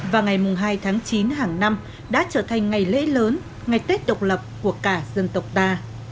và ngày hai tháng chín hàng năm đã trở thành ngày lễ lớn ngày tết độc lập của cả dân tộc ta